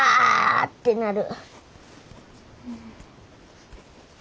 ってなる。